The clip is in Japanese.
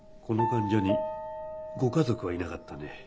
この患者にご家族はいなかったね。